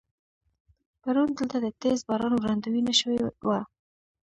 پرون دلته د تیز باران وړاندوينه شوې وه.